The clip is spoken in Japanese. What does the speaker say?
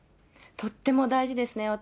とっても大事ですね。